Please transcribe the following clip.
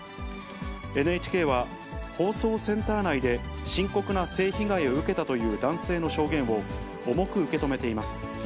ＮＨＫは、放送センター内で深刻な性被害を受けたという男性の証言を重く受け止めています。